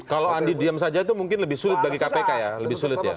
kalau andi diam saja itu mungkin lebih sulit bagi kpk ya